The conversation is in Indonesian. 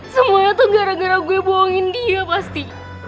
semuanya tuh gara gara gue buangin dia pasti